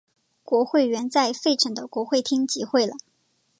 国会原在费城的国会厅集会了。